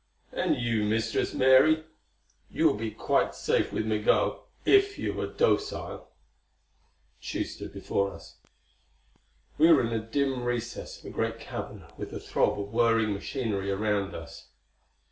And you, Mistress Mary; you will both be quite safe with Migul if you are docile." Tugh stood before us. We were in a dim recess of a great cavern with the throb of whirring machinery around us.